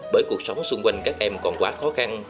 bởi cuộc sống xung quanh các em còn quá khó khăn